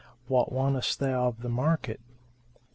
What wantest thou of the market?"